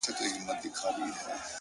ها دی سلام يې وکړ!